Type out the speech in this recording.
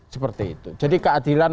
seperti itu jadi keadilan